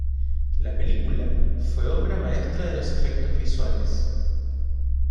La película fue una obra maestra de los efectos visuales.